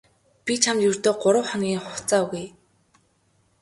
Би чамд ердөө гурав хоногийн хугацаа өгье.